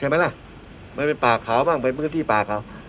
ไม่ได้ป่าเขาบ้างไม่ได้พื้นที่ป่าเขา